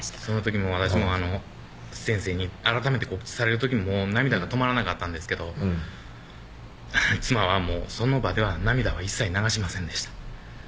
その時私も先生に改めて告知される時もう涙が止まらなかったんですけど妻はもうその場では涙は一切流しませんでした